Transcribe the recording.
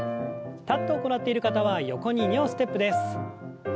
立って行っている方は横に２歩ステップです。